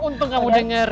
untung kamu denger